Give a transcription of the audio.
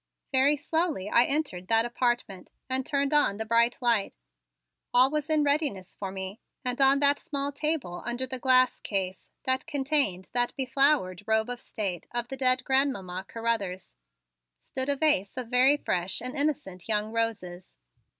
Very slowly I entered that apartment and turned on the bright light. All was in readiness for me, and on the small table under the glass case that contained that beflowered robe of state of the dead Grandmamma Carruthers stood a vase of very fresh and innocent young roses.